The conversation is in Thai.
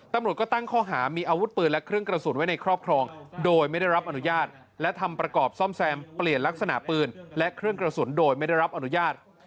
ตำรวจก็ตั้งข้อหามีอาวุธปืนและเครื่องกระสุนไว้ในครอบครองโดยไม่ได้รับอนุญาตและทำประกอบซ่อมแซมเปลี่ยนลักษณะปืนและเครื่องกระสุนโดยไม่ได้รับอนุญาต